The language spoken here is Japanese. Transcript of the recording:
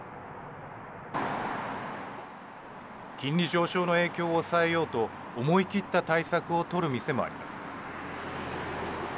金利上昇の影響を抑えようと思い切った対策を取る店もあります。